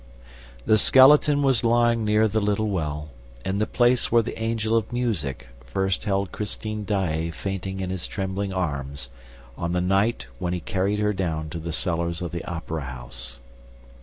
The skeleton was lying near the little well, in the place where the Angel of Music first held Christine Daae fainting in his trembling arms, on the night when he carried her down to the cellars of the opera house.